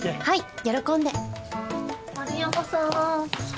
はい喜んで。